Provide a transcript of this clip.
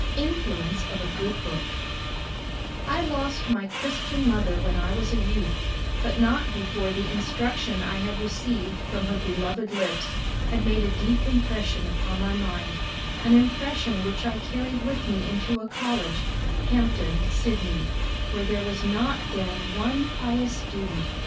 INFLUENCE OF A GOOD BOOK I lost my Christian mother when I was a youth, but not before the instruction I had received from her beloved lips had made a deep impression upon my mind, an impression which I carried with me into a college (Hampden, Sidney), where there was not then one pious student.